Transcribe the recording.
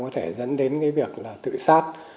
có thể dẫn đến việc tự sát